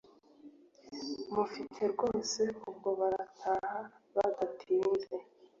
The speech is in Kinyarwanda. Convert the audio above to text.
mufite rwose Ubwo barataha Bidatinze